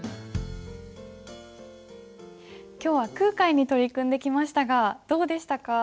今日は空海に取り組んできましたがどうでしたか？